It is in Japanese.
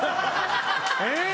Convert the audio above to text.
えっ？